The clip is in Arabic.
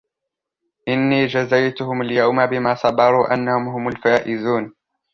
إني جزيتهم اليوم بما صبروا أنهم هم الفائزون